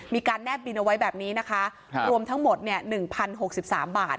มีการแนบบินเอาไว้แบบนี้นะคะรวมทั้งหมดเนี่ย๑๐๖๓บาท